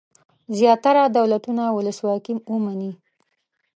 زیاتره دولتونه ولسواکي ومني.